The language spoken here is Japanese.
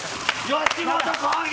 吉本興業！